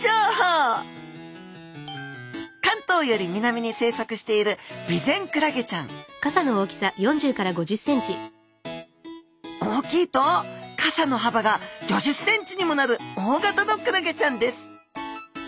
関東より南に生息しているビゼンクラゲちゃん大きいと傘のはばが５０ｃｍにもなる大型のクラゲちゃんです。